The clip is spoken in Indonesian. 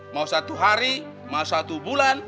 mau satu hari mau satu bulan